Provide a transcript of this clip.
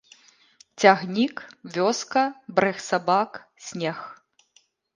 Цягнік, вёска, брэх сабак, снег.